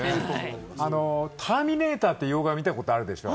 ターミネーター見たことあるでしょ。